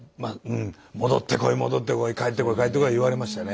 戻ってこい戻ってこい帰ってこい帰ってこい言われましてね。